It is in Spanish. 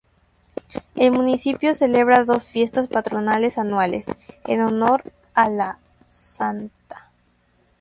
El municipio celebra dos fiestas patronales anuales, en honor a la Stm.